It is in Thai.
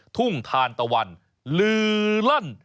ทุ่งทานตะวันลือลั่น